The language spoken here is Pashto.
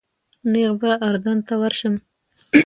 نیغ به اردن ته ورشم.